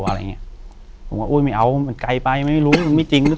อะไรอย่างเงี้ยผมก็อุ้ยไม่เอามันไกลไปมันไม่รู้มันไม่จริงหรือเปล่า